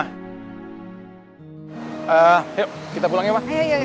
yuk kita pulang ya ma